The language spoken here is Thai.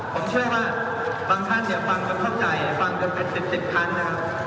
ผมเชื่อว่าบางท่านเดี๋ยวฟังก็เข้าใจฟังก็เป็นสิบสิบทางนะครับ